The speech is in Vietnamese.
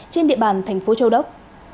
trên địa bàn tp châu đốc